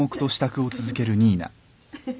フフフ。